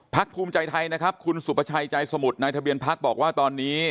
ภูมิใจไทยนะครับคุณสุประชัยใจสมุทรนายทะเบียนพักบอกว่าตอนนี้